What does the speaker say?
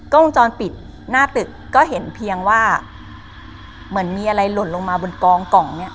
วงจรปิดหน้าตึกก็เห็นเพียงว่าเหมือนมีอะไรหล่นลงมาบนกองกล่องเนี่ย